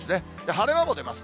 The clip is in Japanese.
晴れ間も出ます。